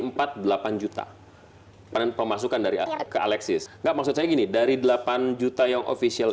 empat delapan juta pemasukan dari ke alexis gak maksudnya gini dari delapan juta yang official